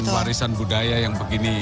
warisan budaya yang begini